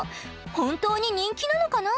本当に人気なのかな？